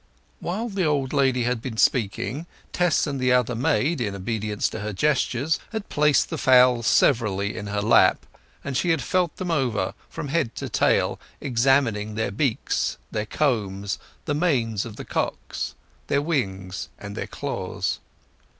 While the old lady had been speaking Tess and the other maid, in obedience to her gestures, had placed the fowls severally in her lap, and she had felt them over from head to tail, examining their beaks, their combs, the manes of the cocks, their wings, and their claws.